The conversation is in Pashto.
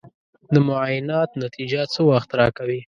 د معاینات نتیجه څه وخت راکوې؟